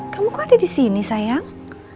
kamu kok ada di sini sayang